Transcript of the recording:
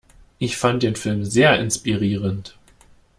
Ich fand den Film sehr inspirierend.